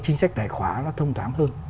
chính sách tài khoá nó thông tháng hơn